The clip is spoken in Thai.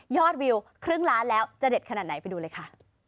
วิวครึ่งล้านแล้วจะเด็ดขนาดไหนไปดูเลยค่ะ